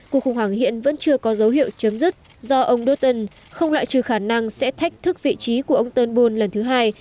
cuộc khủng hoảng hiện vẫn chưa có dấu hiệu chấm dứt do ông douton không loại trừ khả năng sẽ thách thức vị trí của ông tơn bull lần thứ hai